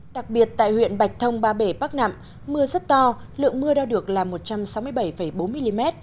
đặc biệt tại huyện bạch thông ba bể bắc nặng mưa rất to lượng mưa đo được là một trăm sáu mươi bảy bốn mm